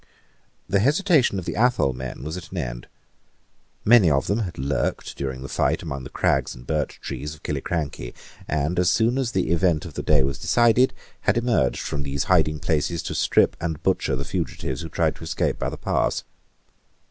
The hesitation of the Athol men was at an end. Many of them had lurked, during the fight, among the crags and birch trees of Killiecrankie, and, as soon as the event of the day was decided, had emerged from those hiding places to strip and butcher the fugitives who tried to escape by the pass.